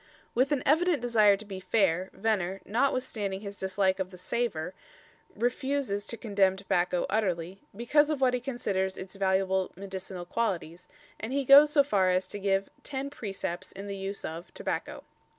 With an evident desire to be fair, Venner, notwithstanding his dislike of the "savour," refuses to condemn tobacco utterly, because of what he considers its valuable medicinal qualities, and he goes so far as to give "10 precepts in the use of" tobacco.